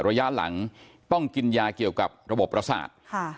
ระยะหลังต้องกินยาเกี่ยวกับระบบประสาท